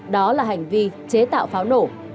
đó là hành vi chế tạo pháo nổ